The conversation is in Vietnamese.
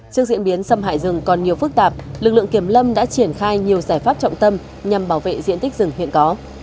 trước diễn biến xâm hại rừng còn nhiều phức tạp lực lượng kiểm lâm đã triển khai nhiều giải pháp trọng tâm nhằm bảo vệ diện tích rừng hiện có